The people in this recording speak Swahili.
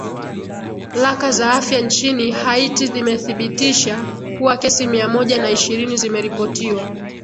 laka za afya nchini haiti zimethibitisha kuwa kesi mia moja na ishirini zimeripotiwa